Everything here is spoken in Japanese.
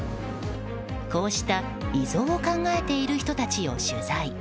こうした遺贈を考えている人たちを取材。